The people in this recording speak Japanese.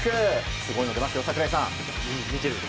すごいですよ、櫻井さん。